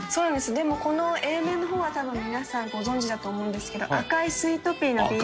でもこのＡ面の方は多分皆さんご存じだと思うんですけど『赤いスイートピー』のＢ面。